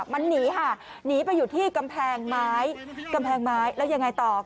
มันหนีหนีไปที่กำแพงไหมแล้วยังไงต่อ